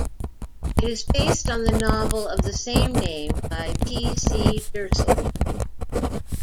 It is based on the novel of the same name by P. C. Jersild.